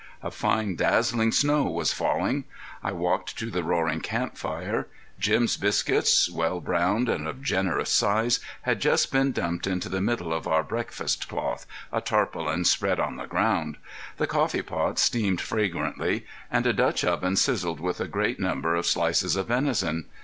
A fine dazzling snow was falling. I walked to the roaring camp fire. Jim's biscuits, well browned and of generous size, had just been dumped into the middle of our breakfast cloth, a tarpaulin spread on the ground; the coffee pot steamed fragrantly, and a Dutch oven sizzled with a great number of slices of venison.